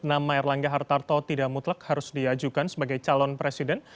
nama erlangga hartarto tidak mutlak harus diajukan sebagai calon presiden